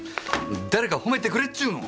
誰か褒めてくれっちゅうの！